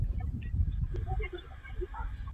皇后林荫路线设有四条重叠的路线。